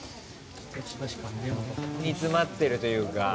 煮詰まってるというか。